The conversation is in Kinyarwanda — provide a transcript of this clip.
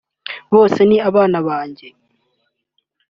Bose ni abana banjye